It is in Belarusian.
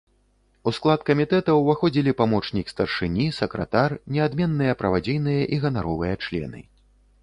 У склад камітэта ўваходзілі памочнік старшыні, сакратар, неадменныя, правадзейныя і ганаровыя члены.